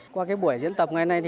qua buổi diễn tập ngày nay